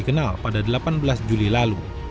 kenal pada delapan belas juli lalu